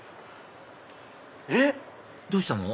えっ⁉どうしたの？